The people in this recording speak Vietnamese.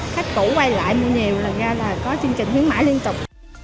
khách cũ quay lại mua nhiều lần ra là có chương trình khuyến mãi liên tục